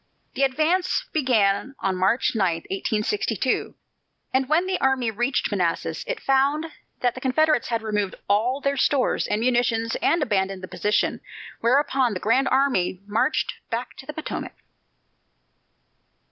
The advance began on March 9, 1862, and when the army reached Manassas, it found that the Confederates had removed all their stores and munitions and abandoned the position. Whereupon the Grand Army marched back to the Potomac.